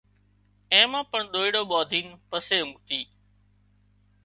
اين مان پڻ ۮئيڙو ٻانڌين پسي اونگتي